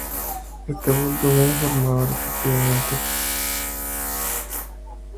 Este bulo fue informado repetidamente como una farsa.